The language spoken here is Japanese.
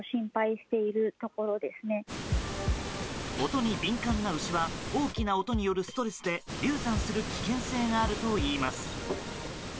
音に敏感な牛は大きな音によるストレスで流産する危険性があるといいます。